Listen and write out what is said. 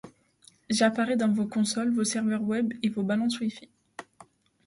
J’apparais dans vos consoles, vos serveurs web et vos balances wi-fi.